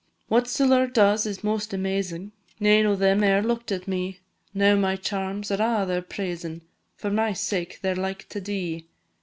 What siller does is most amazing, Nane o' them e'er look'd at me, Now my charms they a' are praising, For my sake they 're like to dee.